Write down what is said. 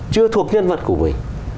chưa thuộc nhân vật của mình